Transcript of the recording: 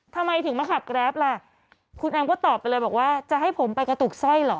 ทำไมถึงมาขับแกรปล่ะคุณแอมก็ตอบไปเลยบอกว่าจะให้ผมไปกระตุกสร้อยเหรอ